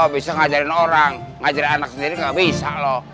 bisa ngajarin orang ngajarin anak sendiri gak bisa loh